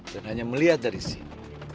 dan hanya melihat dari sini